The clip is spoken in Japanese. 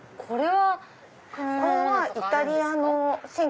これはイタリアの。